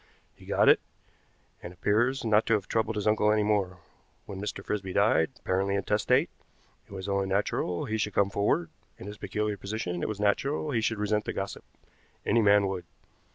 He got it, and appears not to have troubled his uncle any more. When Mr. Frisby died, apparently intestate, it was only natural he should come forward; in his peculiar position it was natural he should resent the gossip. Any man would.